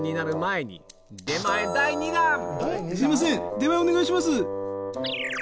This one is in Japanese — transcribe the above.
出前お願いします。